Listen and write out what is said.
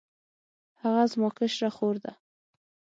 هغه زما کشره خور ده